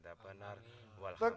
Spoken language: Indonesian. datang sama talked